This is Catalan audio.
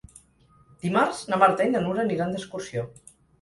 Dimarts na Marta i na Nura aniran d'excursió.